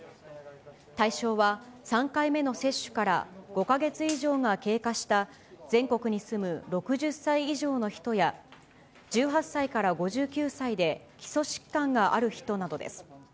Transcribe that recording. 対象は、３回目の接種から５か月以上が経過した、全国に住む６０歳以上の人や、１８歳から５９歳で、基礎疾患がある人などです。